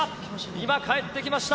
今、帰ってきました。